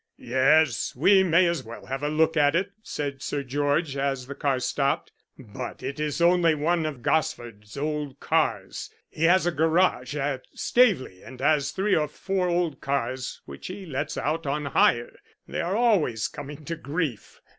"Yes, we may as well have a look at it," said Sir George, as the car stopped. "But it is only one of Gosford's old cars. He has a garage at Staveley and has three or four old cars which he lets out on hire. They are always coming to grief.